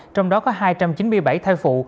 trong đó có hai trăm chín mươi bảy thai phụ